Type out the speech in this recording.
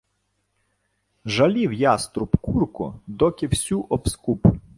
Жалів яструб курку — доки всю обскуб.